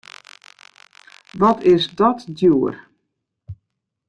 Wat is dat djoer!